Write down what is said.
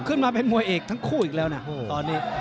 ขึ้นมาเป็นมวยเอกทั้งคู่อีกแล้วนะตอนนี้